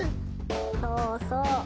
そうそう。